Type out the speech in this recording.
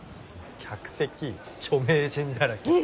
客席著名人だらけ。